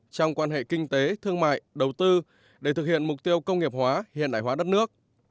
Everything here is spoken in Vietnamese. trong quan hệ kinh tế thương mại đầu tư để thực hiện mục tiêu công nghiệp hóa hiện đại hóa đất nước